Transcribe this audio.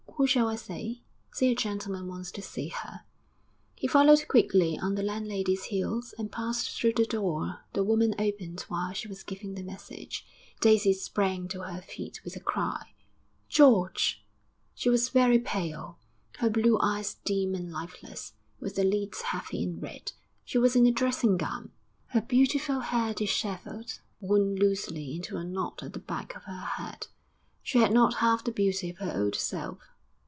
Who shall I say?' 'Say a gentleman wants to see her.' He followed quickly on the landlady's heels and passed through the door the woman opened while she was giving the message. Daisy sprang to her feet with a cry. 'George!' She was very pale, her blue eyes dim and lifeless, with the lids heavy and red; she was in a dressing gown, her beautiful hair dishevelled, wound loosely into a knot at the back of her head. She had not half the beauty of her old self....